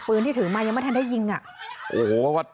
ปืนที่ถือมายังไม่ทันได้ยิงอ่ะ